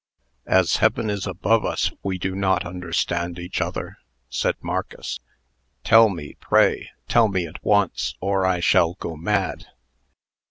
"As heaven is above us, we do not understand each other!" said Marcus. "Tell me, pray tell me at once, or I shall go mad."